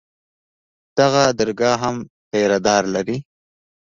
دغه درګاه هم پيره دار لري.